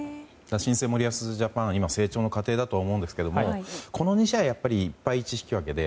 新生森保ジャパンは今、成長の過程だと思いますがこの２試合は１敗１引き分けで。